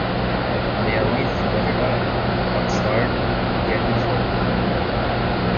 Miami Florida Oxnard California